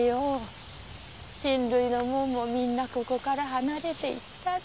親類のもんもみんなここから離れていっただ。